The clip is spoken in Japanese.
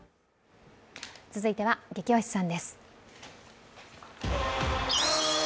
続いては「ゲキ推しさん」です。